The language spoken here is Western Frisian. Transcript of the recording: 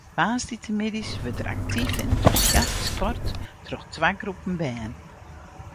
Woansdeitemiddeis wurdt der aktyf en entûsjast sport troch twa groepen bern.